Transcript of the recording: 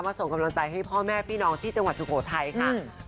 ส่งกำลังใจให้พ่อแม่พี่น้องที่จังหวัดสุโขทัยค่ะ